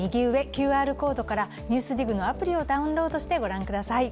ＱＲコードから「ＮＥＷＳＤＩＧ」のアプリをダウンロードしてご覧ください。